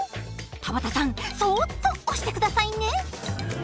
田畑さんそっと押して下さいね。